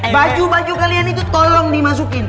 baju baju kalian ikut tolong dimasukin